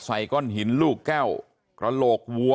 ก้อนหินลูกแก้วกระโหลกวัว